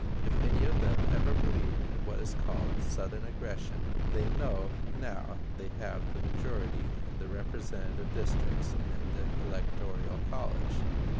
If any of them ever believed in what is called Southern aggression, they know now they have the majority in the representative districts and in the electoral college.